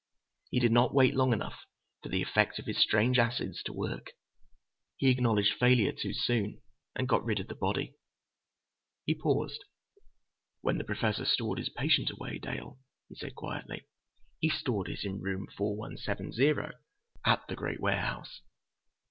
He did not wait long enough for the effect of his strange acids to work. He acknowledged failure too soon, and got rid of the body." He paused. "When the Professor stored his patient away, Dale," he said quietly, "he stored it in room 4170, at the great warehouse.